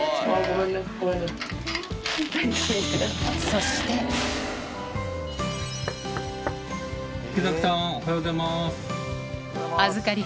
そして池崎さんおはようございます。